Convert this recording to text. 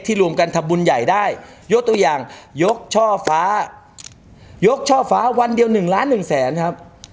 รวมกันทำบุญใหญ่ได้ยกตัวอย่างยกช่อฟ้ายกช่อฟ้าวันเดียว๑ล้านหนึ่งแสนครับ